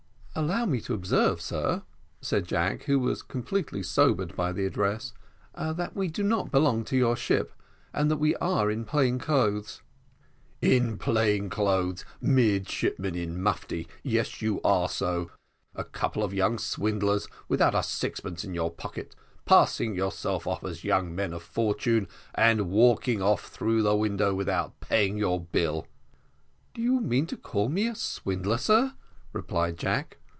"Allow me to observe, sir," said Jack, who was completely sobered by the address, "that we do not belong to your ship, and that we are in plain clothes." "In plain clothes midshipmen in mufti yes, you are so: a couple of young swindlers, without a sixpence in your pocket, passing yourselves off as young men of fortune, and walking off through the window without paying your bill." "Do you mean to call me a swindler, sir?" replied Jack.